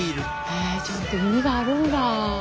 へえちゃんと意味があるんだ。